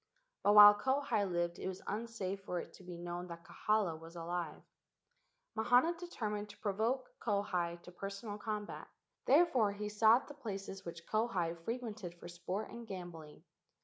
But while Kauhi lived it was unsafe for it to be known that Kahala was alive. Mahana de¬ termined to provoke Kauhi to personal combat; therefore he sought the places which Kauhi fre¬ quented for sport and gambling.